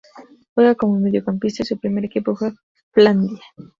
Juega como mediocampista y su primer equipo fue Flandria.